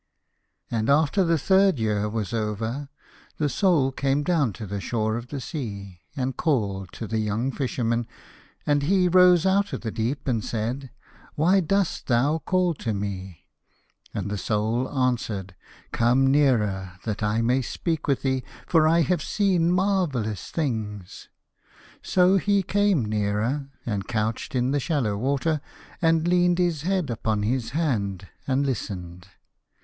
And after the third year was over, the Soul came down to the shore of the sea, and called to the young Fisherman, and he rose out of the deep and said, " Why dost thou call to me ?" And the Soul answered, " Come nearer, that I may speak with thee, for I have seen marvellous things." So he came nearer, and couched in the shallow water, and leaned his head upon his hand and listened.